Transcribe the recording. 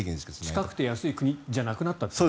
近くて安い国じゃなくなったという。